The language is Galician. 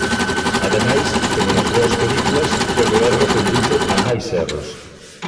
Ademais, como nas boas películas, todo erro conduce a máis erros.